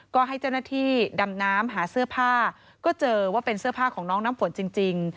ก็ให้เจ้าหน้าที่ดำน้ำหาเสื้อผ้าก็เจอว่าเป็นเสื้อผ้าของน้องน้ำฝนจริง